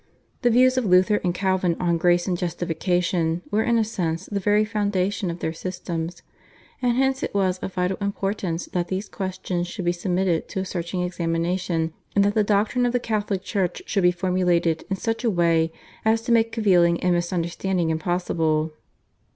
The views of Luther and Calvin on Grace and Justification were in a sense the very foundation of their systems, and hence it was of vital importance that these questions should be submitted to a searching examination, and that the doctrine of the Catholic Church should be formulated in such a way as to make cavilling and misunderstanding impossible.